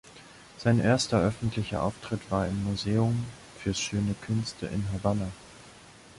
Sein erster öffentlicher Auftritt war im "Museum für Schöne Künste" in Havanna.